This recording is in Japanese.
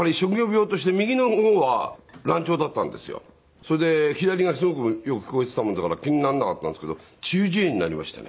それで左がすごくよく聞こえてたものだから気にならなかったんですけど中耳炎になりましてね。